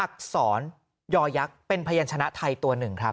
อักษรยอยักษ์เป็นพยานชนะไทยตัวหนึ่งครับ